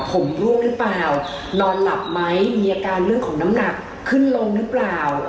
ผมรวบหรือเปล่านอนหลับไหมมีอาการเรื่องของน้ำหนักขึ้นลงหรือเปล่า